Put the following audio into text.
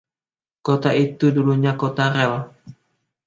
Kota itu dulunya kota Rel.